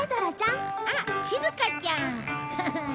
あっしずかちゃん！フフッ！